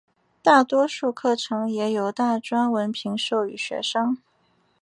大多数课程也有大专文凭授予学生。